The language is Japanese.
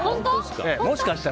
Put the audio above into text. もしかしたら。